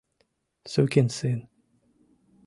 Сукин сын!